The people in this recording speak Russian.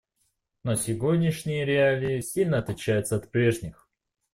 Но сегодняшние реалии сильно отличаются от прежних.